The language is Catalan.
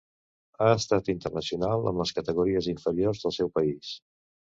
Ha estat internacional amb les categories inferiors del seu país.